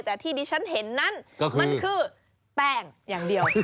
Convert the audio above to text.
แต่ที่ดิฉันเห็นนั้นมันคือแป้งอย่างเดียว